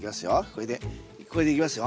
これでこれでいきますよ。